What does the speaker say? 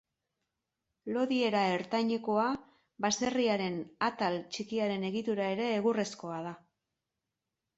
Lodiera ertainekoa, baserriaren atal txikiaren egitura ere egurrezkoa da.